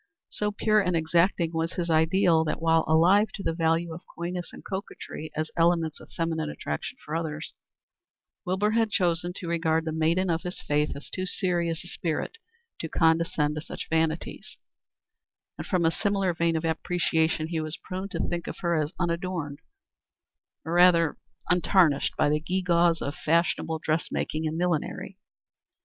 So pure and exacting was his ideal that while alive to the value of coyness and coquetry as elements of feminine attraction for others, Wilbur had chosen to regard the maiden of his faith as too serious a spirit to condescend to such vanities; and from a similar vein of appreciation he was prone to think of her as unadorned, or rather untarnished, by the gewgaws of fashionable dressmaking and millinery.